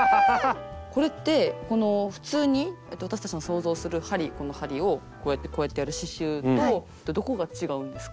これって普通に私たちの想像するこの針をこうやってこうやってやる刺しゅうとどこが違うんですか？